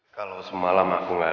kalau semalam aku gak lupa